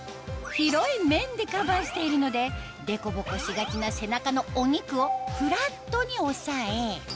広い面でカバーしているのでデコボコしがちな背中のお肉をフラットに押さえ